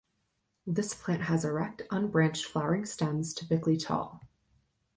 This plant has erect, unbranched flowering stems, typically tall.